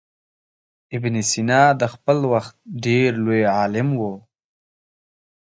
ابن سینا د خپل وخت ډېر لوی عالم و.